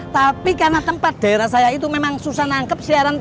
tapi karena tempat daerah saya itu memang susah nangkep siaran